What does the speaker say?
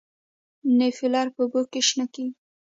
نیلوفر په اوبو کې شنه کیږي